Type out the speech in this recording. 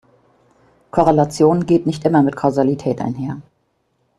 Korrelation geht nicht immer mit Kausalität einher.